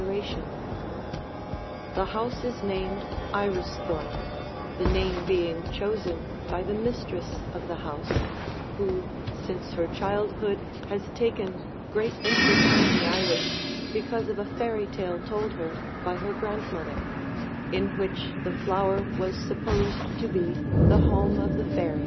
[Illustration: From the Garden] The house is named "Iristhorpe," the name being chosen by the mistress of the house, who since her childhood has taken great interest in the iris because of a fairy tale told her by her grandmother, in which the flower was supposed to be the home of the fairies.